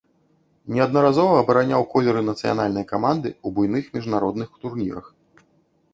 Неаднаразова абараняў колеры нацыянальнай каманды ў буйных міжнародных турнірах.